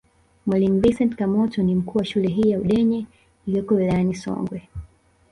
Mwalimu Vincent Kamoto ni mkuu wa shule hii ya Udenye iliyoko wilayani Songwe